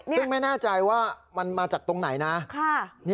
ซึ่งไม่แน่ใจว่ามันมาจากตรงไหนนะ